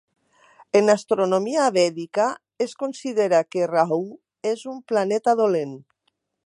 En astronomia Vèdica, es considera que Rahu és un planeta dolent.